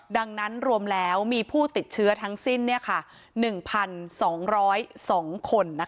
ดังนั้นรวมแล้วมีผู้ติดเชื้อทั้งสิ้น๑๒๐๒คน